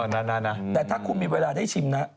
โอ้นนะคะอืมก็น่าอืมอืมแต่ถ้าคุณมีเวลาได้ชิมนะ